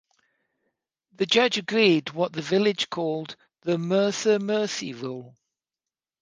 The judge agreed what the village called the "Mercer Mercy Rule".